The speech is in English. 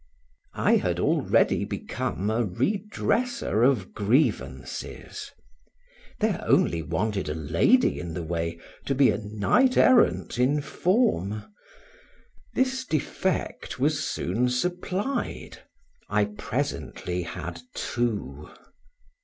I had already become a redresser of grievances; there only wanted a lady in the way to be a knight errant in form. This defect was soon supplied; I presently had two.